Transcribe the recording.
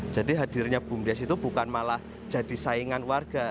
jadi hadirnya bumdes itu bukan malah jadi saingan warga